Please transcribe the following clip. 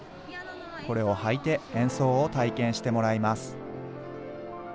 これを履いて演奏を体験してもらいます。